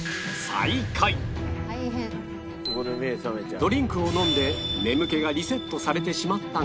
ドリンクを飲んで眠気がリセットされてしまったが